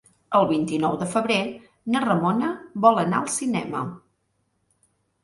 El vint-i-nou de febrer na Ramona vol anar al cinema.